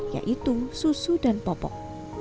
yaitu susu dan popok